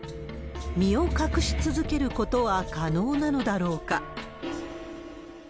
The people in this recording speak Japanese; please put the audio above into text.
身を隠し続けることは可能なのだろうか。